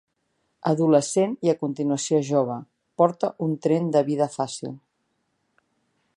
Adolescent i a continuació jove, porta un tren de vida fàcil.